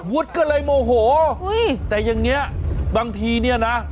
วุฒิก็เลยโมโหแต่อย่างนี้บางทีเนี่ยนะ